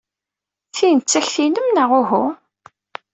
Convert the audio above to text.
Tin d takti-nnem, neɣ uhu?